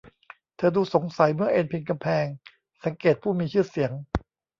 เธอดูสงสัยเมื่อเอนพิงกำแพงสังเกตผู้มีชื่อเสียง